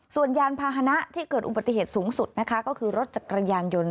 ส่วนยานพาหนะที่เกิดอุบัติเหตุสูงสุดนะคะก็คือรถจักรยานยนต์